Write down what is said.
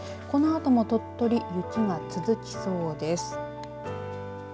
このあとも鳥取雪が続きそうです。